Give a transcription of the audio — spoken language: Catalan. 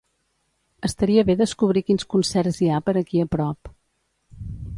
Estaria bé descobrir quins concerts hi ha per aquí a prop.